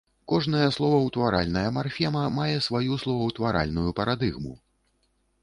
Кожная словаўтваральная марфема мае сваю словаўтваральную парадыгму.